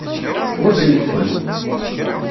Ḥwajent-ken.